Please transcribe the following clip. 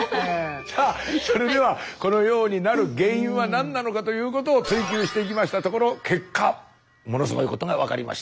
さあそれではこのようになる原因は何なのかということを追究していきましたところ結果ものすごいことが分かりました。